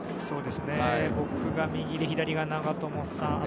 そうですね、僕が右で左が長友さん。